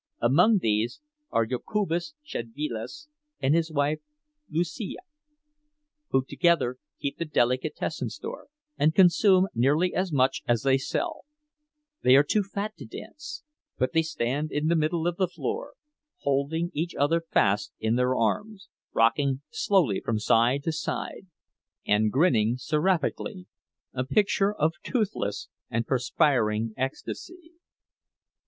Among these are Jokubas Szedvilas and his wife, Lucija, who together keep the delicatessen store, and consume nearly as much as they sell; they are too fat to dance, but they stand in the middle of the floor, holding each other fast in their arms, rocking slowly from side to side and grinning seraphically, a picture of toothless and perspiring ecstasy.